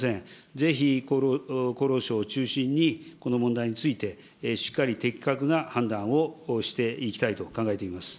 ぜひ厚労省を中心に、この問題について、しっかり的確な判断をしていきたいと考えています。